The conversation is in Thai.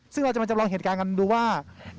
ซึ่งเราจะมาจำลองเหตุการณ์กันดูว่า